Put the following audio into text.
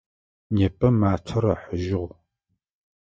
Непэ матэр ыхьыжьыгъ.